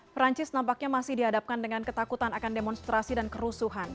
perancis nampaknya masih dihadapkan dengan ketakutan akan demonstrasi dan kerusuhan